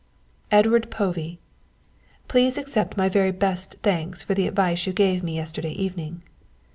"EDWARD POVEY, "_Please accept my very best thanks for the advice you gave me yesterday evening.